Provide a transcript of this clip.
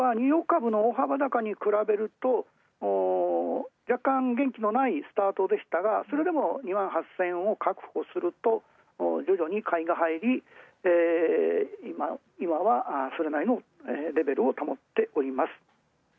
きょうはニューヨーク株の若干元気のないスタートでしたがそれでも２８０００円を確保するとじょじょに買いが入り、いまは、それなりのレベルを保っております。